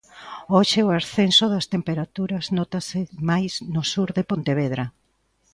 Hoxe o ascenso das temperaturas nótase máis no sur de Pontevedra.